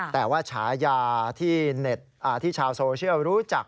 แต่ว่าฉายาที่ชาวโซเชียลรู้จัก